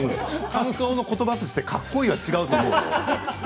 感想の言葉としてかっこいいは違うと思うよ。